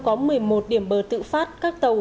có một mươi một điểm bờ tự phát các tàu